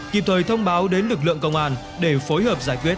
kịp thời thông báo đến lực lượng công an để phối hợp giải quyết